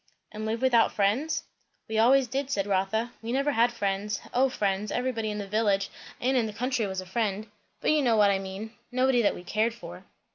"And live without friends?" "We always did," said Rotha. "We never had friends. O friends! everybody in the village and in the country was a friend; but you know what I mean; nobody that we cared for."